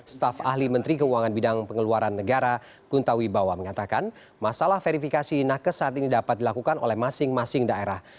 staf ahli menteri keuangan bidang pengeluaran negara kuntawibawa mengatakan masalah verifikasi nakes saat ini dapat dilakukan oleh masing masing daerah